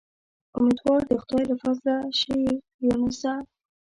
امیدوار د خدای له فضله شه اې یونسه.